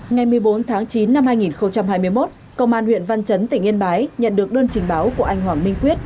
ngày một mươi bốn tháng chín năm hai nghìn hai mươi một công an huyện văn chấn tỉnh yên bái nhận được đơn trình báo của anh hoàng minh quyết